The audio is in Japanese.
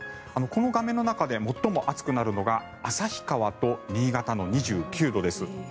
この画面の中で最も暑くなるのが旭川と新潟の２９度です。